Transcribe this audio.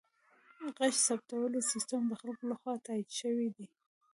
د غږ ثبتولو سیستم د خلکو لخوا تایید شوی دی.